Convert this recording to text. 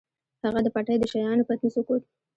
هغه د پټۍ د شيانو پتنوس وکوت.